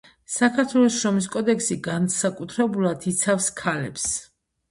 საქართველოს შრომის კოდექსი განსაკუთრებულად იცავს ქალებს.